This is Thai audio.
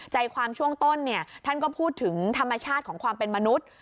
ใจความช่วงต้นเนี่ยท่านก็พูดถึงธรรมชาติของความเป็นมนุษย์